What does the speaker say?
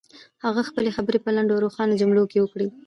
هغه خپلې خبرې په لنډو او روښانه جملو کې وکړې.